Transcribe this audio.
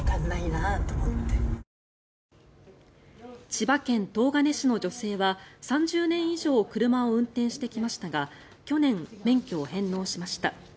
千葉県東金市の女性は３０年以上車を運転してきましたが去年、免許を返納しました。